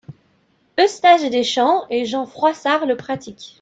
Eustache Deschamps et Jean Froissart le pratiquent.